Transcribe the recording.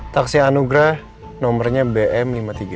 taksi anugrah nomernya bm lima puluh tiga